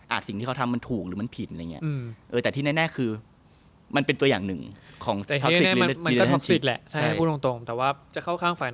สิ่งที่เขาทำมันถูกหรือมันผิดอะไรอย่างนี้